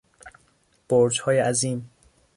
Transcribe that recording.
برجهای عظیم